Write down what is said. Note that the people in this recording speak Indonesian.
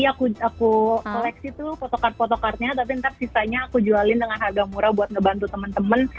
aku koleksi tuh fotocar foto kartnya tapi ntar sisanya aku jualin dengan harga murah buat ngebantu temen temen